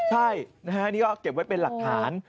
ใช่นะฮะนี่ก็เก็บไว้เป็นหลักฐาน